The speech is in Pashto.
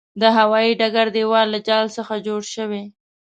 د هوايې ډګر دېوال له جال څخه جوړ شوی.